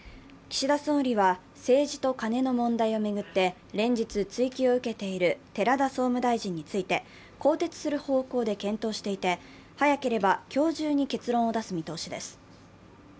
岸田総理は政治とカネの問題を巡って連日、追及を受けている寺田総務大臣について、更迭する方向で検討していて、早ければ今日中に結論を出す見通しです。